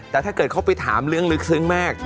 แต่ถ้าเกิดเขาไปถามเรื่องลึกซึ้งมาก